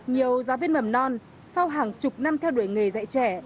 nhiều giáo viên mầm non sau hàng chục năm theo đuổi nghề dạy trẻ